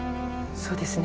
そうですね。